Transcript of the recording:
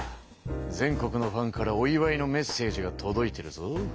全国のファンからお祝いのメッセージがとどいてるぞ。